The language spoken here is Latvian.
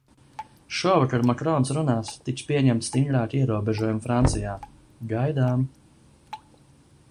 Šovakar Makrons runās, tiks pieņemti stingrāki ierobežojumi Francijā. Gaidām...